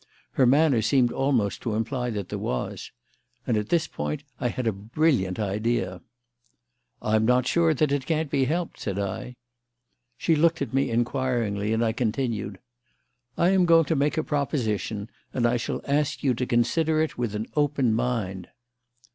Her manner seemed almost to imply that there was. And at this point I had a brilliant idea. "I'm not sure that it can't be helped," said I. She looked at me inquiringly, and I continued: "I am going to make a proposition, and I shall ask you to consider it with an open mind."